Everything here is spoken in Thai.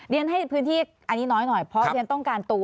เรียนให้พื้นที่อันนี้น้อยเพราะฉะนั้นต้องการตัว